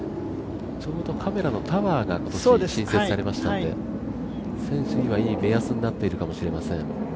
カメラのタワーが今年新設されましたので、選手にはいい目安になっているかもしれません。